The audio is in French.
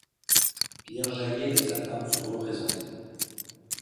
Pierre Jayet et sa femme sont représentés.